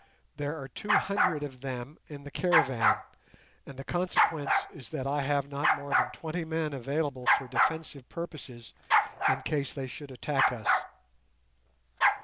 There are two hundred of them in the caravan, and the consequence is that I have not more than twenty men available for defensive purposes in case they should attack us.